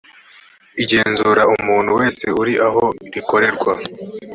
igenzura umuntu wese uri aho rikorerwa